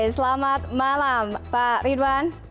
selamat malam pak ridwan